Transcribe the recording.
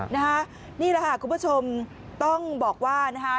นี่แหละค่ะคุณผู้ชมต้องบอกว่านะฮะ